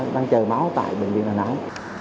đang chờ máu tại bệnh viện đà nẵng